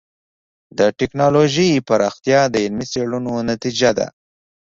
د ټکنالوجۍ پراختیا د علمي څېړنو نتیجه ده.